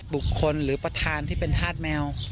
บุคคลหรือประธานที่เป็นธาตุแมว